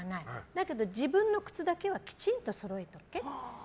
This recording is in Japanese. だけど自分の靴だけはきちんとそろえとけ。